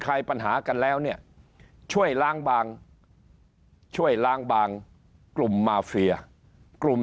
ลายปัญหากันแล้วเนี่ยช่วยล้างบางช่วยล้างบางกลุ่มมาเฟียกลุ่ม